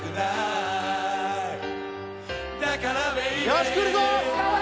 よしくるぞ！